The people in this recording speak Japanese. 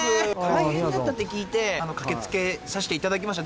大変だったって聞いて駆けつけさせていただきました